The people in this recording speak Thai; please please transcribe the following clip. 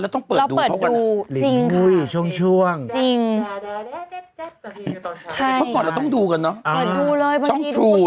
แล้วจะต้องเปิดดูเขากัน